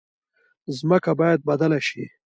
ځمکه باید بدله شي.